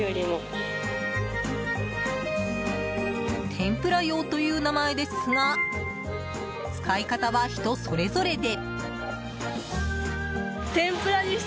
天ぷら用という名前ですが使い方は人それぞれで。